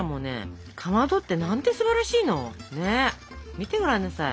見てごらんなさい。